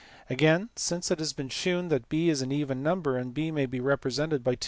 Again, since it has been shewn that b is an even number, b may be represented by 2?